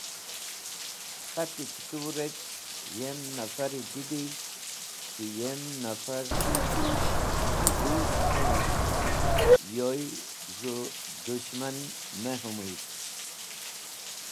K̃hati ki tu rec̃h yem nafari didig̃h ki yem nafar z̃hũ dust hũmũt yoy z̃hũ dũs̃hman me hũmũyd .